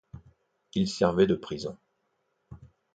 Il servait de prison.